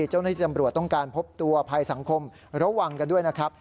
เจ้าหน้าที่ตำรวจต้องการพบตัวภัยสังคมระวังกันด้วยนะครับ